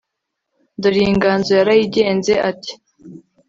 Dore iyi nganzo yarayigenze Ati